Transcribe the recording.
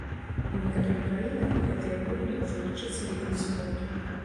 У некаторых краінах гэтыя гульні ўжо лічацца відамі спорту.